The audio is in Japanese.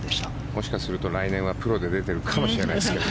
もしかすると来年はプロで出ているかもしれないですけど。